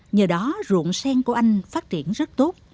nhờ đó ruộng sen của anh phát triển rất tốt